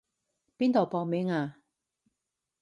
邊度報名啊？